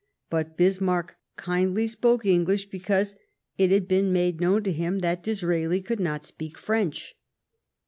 But Bismarck kindly spoke English because it had been made known to him that Disraeli could not speak French.